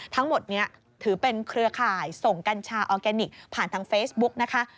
ทั้งหมดนี้ถือเป็นเครือข่ายส่งกัญชาออร์แกนิคผ่านทางเฟซบุ๊กนะคะ